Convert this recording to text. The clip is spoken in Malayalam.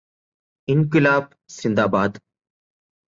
ഇൻക്വിലാബ് സിന്ദാബാദ്.